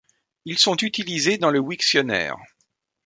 Ils sont utilisés dans le wiktionnaire.